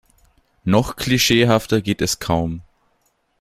Noch klischeehafter geht es kaum.